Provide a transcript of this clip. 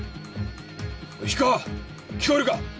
おい氷川聞こえるか？